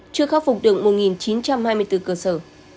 chưa khắc phục được một chín trăm hai mươi bốn cơ sở